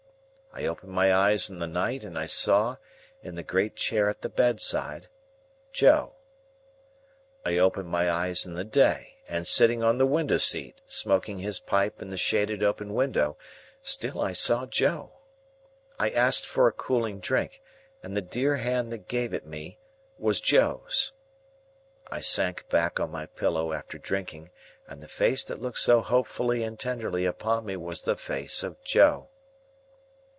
I opened my eyes in the night, and I saw, in the great chair at the bedside, Joe. I opened my eyes in the day, and, sitting on the window seat, smoking his pipe in the shaded open window, still I saw Joe. I asked for cooling drink, and the dear hand that gave it me was Joe's. I sank back on my pillow after drinking, and the face that looked so hopefully and tenderly upon me was the face of Joe.